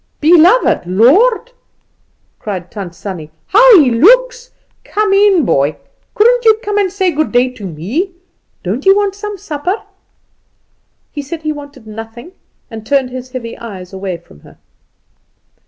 "Beloved Lord," cried Tant Sannie, "how he looks! Come in, boy. Couldn't you come and say good day to me? Don't you want some supper?" He said he wanted nothing, and turned his heavy eyes away from her.